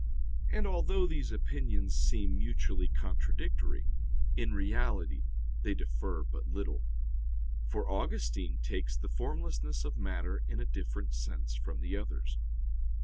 And although these opinions seem mutually contradictory, in reality they differ but little; for Augustine takes the formlessness of matter in a different sense from the others.